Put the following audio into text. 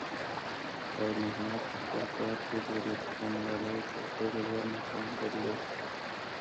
خیر محمد په خپل کار کې د رښتونولۍ تر ټولو لوړ مقام درلود.